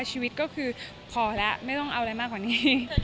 ชีวิตก็คือพอแล้วไม่ต้องเอาอะไรมากกว่านี้